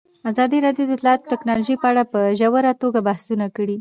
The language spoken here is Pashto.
ازادي راډیو د اطلاعاتی تکنالوژي په اړه په ژوره توګه بحثونه کړي.